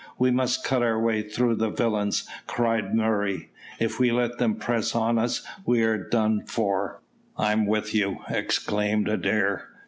"We must cut our way through the villains," cried Murray. "If we let them press on us we are done for." "I'm with you," exclaimed Adair.